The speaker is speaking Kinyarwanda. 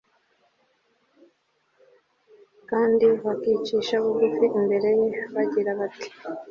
kandi bakicisha bugufi imbere ye, bagira bati